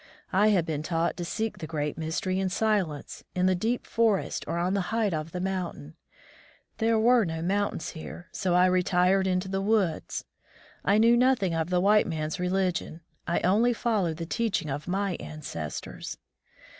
I had been taught to seek the "Great Mystery" in silence, in the deep forest or on the height of the moimtain. There were no mountains here, so I retired into the woods. I knew nothing of the white man's religion ; I only followed the teaching of my ancestors.